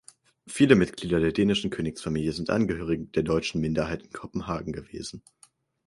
Viele Mitglieder der dänischen Königsfamilie sind Angehörige der deutschen Minderheit in Kopenhagen gewesen.